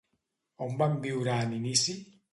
On van viure en inici?